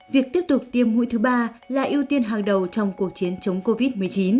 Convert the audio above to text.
việc tiếp tục tiêm mũi thứ ba là ưu tiên hàng đầu trong cuộc chiến chống covid một mươi chín